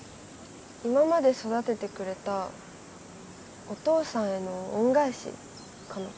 今まで育ててくれたお父さんへの恩返しかな